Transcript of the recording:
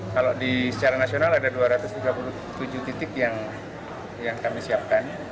kalau secara nasional ada dua ratus tiga puluh tujuh titik yang kami siapkan